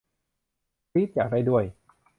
กรี๊ด อยากได้ด้วย